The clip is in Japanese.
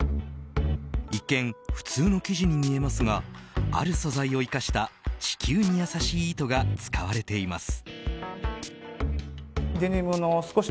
一見、普通の生地に見えますがある素材を生かした地球に優しい糸が使われています。